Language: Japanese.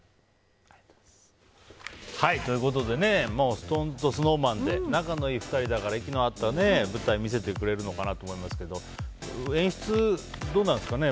ＳｉｘＴＯＮＥＳとＳｎｏｗＭａｎで仲のいい２人だから息の合った舞台を見せてくれるのかなと思いますけど演出、どうなんですかね。